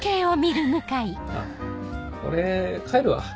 あ俺帰るわ。